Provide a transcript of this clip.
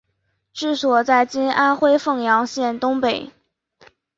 治所在今安徽省凤阳县东北。